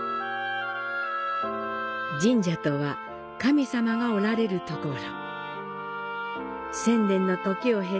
神社とは神様がおられるところ。